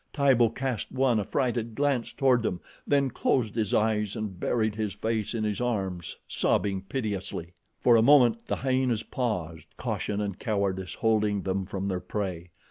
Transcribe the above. Tibo cast one affrighted glance toward them, then closed his eyes and buried his face in his arms, sobbing piteously. For a moment the hyenas paused, caution and cowardice holding them from their prey.